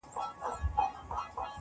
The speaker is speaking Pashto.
یوې ښځي زوی مُلا ته راوستلی -